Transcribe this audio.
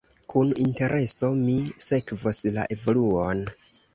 Kun intereso mi sekvos la evoluon.